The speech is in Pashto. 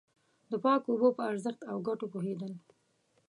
د پاکو اوبو په ارزښت او گټو پوهېدل.